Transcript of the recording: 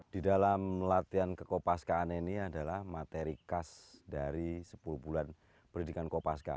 di dalam latihan kekopaskaan ini adalah materi khas dari sepuluh bulan pendidikan kopaska